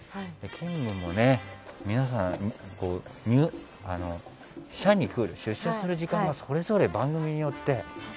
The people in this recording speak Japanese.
勤務もね、皆さん社に来る、出社する時間がそれぞれ番組によって。